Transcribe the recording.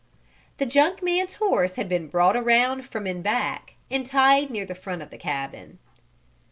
The junk man's horse had been brought around from in back, and tied near the front of the cabin.